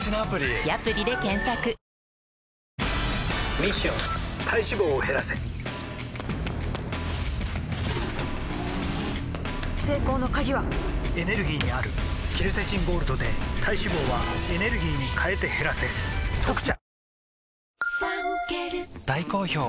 ミッション体脂肪を減らせ成功の鍵はエネルギーにあるケルセチンゴールドで体脂肪はエネルギーに変えて減らせ「特茶」